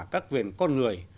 các quyền con người